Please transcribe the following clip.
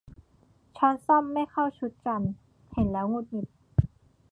ช้อนส้อมไม่เข้าชุดกัน เห็นแล้วหงุดหงิด